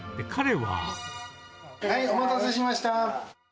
はい、お待たせしました！